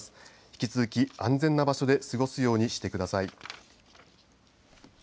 引き続き、安全な場所で過ごすようにしてください。